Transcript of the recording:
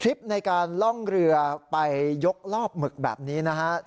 คลิปในการล่องเรือไปยกรอบหมึกแบบนี้นะฮะ